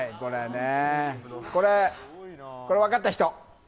これ、分かった人。